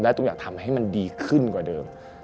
ตุ้มอยากทำให้มันดีขึ้นกว่าเดิม